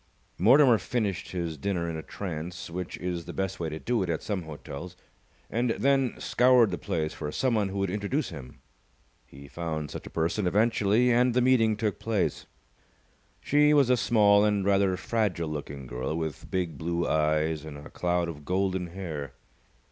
Mortimer finished his dinner in a trance, which is the best way to do it at some hotels, and then scoured the place for someone who would introduce him. He found such a person eventually and the meeting took place. She was a small and rather fragile looking girl, with big blue eyes and a cloud of golden hair.